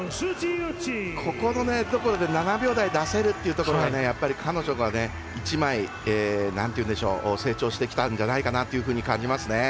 ここのところで７秒台出せるってところが彼女が成長してきたんじゃないかなというふうに感じますね。